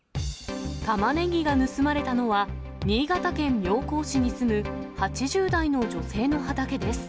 タマネギが盗まれたのは、新潟県妙高市に住む８０代の女性の畑です。